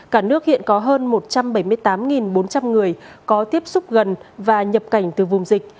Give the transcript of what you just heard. cả nước hiện có hơn một trăm bảy mươi tám bốn trăm linh người có tiếp xúc gần và nhập cảnh từ vùng dịch